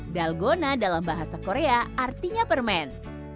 dalgona dalam bahasa korea artinya permen